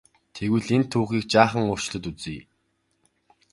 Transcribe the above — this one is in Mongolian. Тэгвэл энэ түүхийг жаахан өөрчлөөд үзье.